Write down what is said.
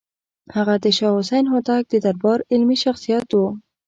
هغه د شاه حسین هوتک د دربار علمي شخصیت و.